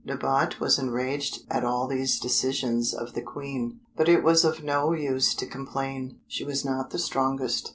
Nabote was enraged at all these decisions of the Queen, but it was of no use to complain, she was not the strongest.